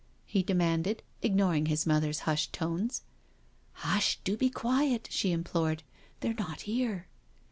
he de manded, ignoring his mother's hushed tones. "Hushl do be quiet," she implored, "they're not here."